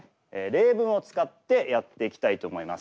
例文を使ってやっていきたいと思います。